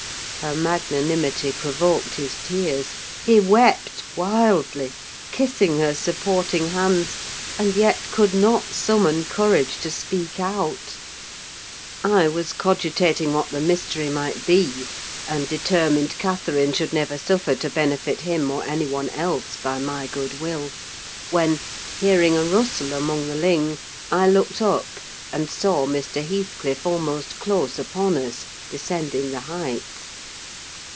Her magnanimity provoked his tears: he wept wildly, kissing her supporting hands, and yet could not summon courage to speak out. I was cogitating what the mystery might be, and determined Catherine should never suffer to benefit him or any one else, by my good will; when, hearing a rustle among the ling, I looked up and saw Mr. Heathcliff almost close upon us, descending the Heights.